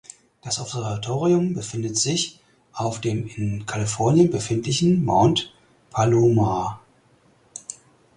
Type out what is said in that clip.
Das Observatorium befindet sich auf dem in Kalifornien befindlichen Mount Palomar.